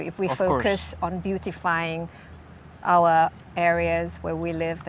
jika kita fokus pada memperbaiki area area kita